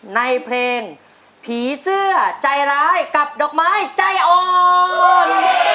ในเพลงผีเสื้อใจร้ายกับดอกไม้ใจอ่อน